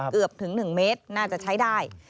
เกือบถึง๑เมตรน่าจะใช้ได้